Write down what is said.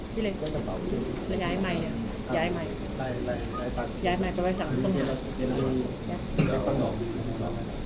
พี่เล็กย้ายใหม่เนี่ย